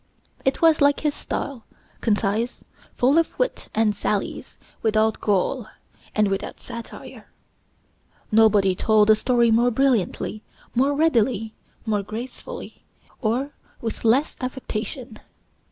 It was, like his style, concise, full of wit and sallies, without gall, and without satire. Nobody told a story more brilliantly, more readily, more gracefully, or with less affectation.